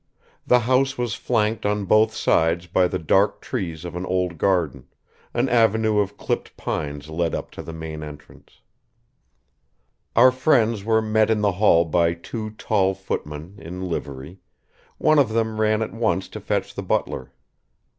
The house was flanked on both sides by the dark trees of an old garden; an avenue of clipped pines led up to the main entrance, Our friends were met in the hall by two tall footmen in livery; one of them ran at once to fetch the butler.